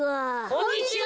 こんにちは。